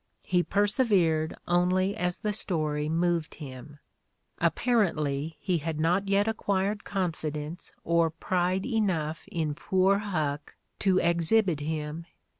He persevered only as the story moved him. ... Apparently, he had not yet acquired confidence or pride enough in poor Huck to exhibit him.